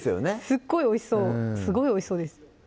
すっごいおいしそうすごいおいしそうです